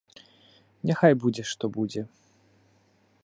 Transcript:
Няхай будзе, што будзе.